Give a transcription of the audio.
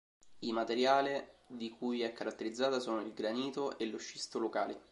I materiale di cui è caratterizzata sono il granito e lo scisto locali.